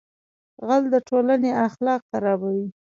غل د ټولنې اخلاق خرابوي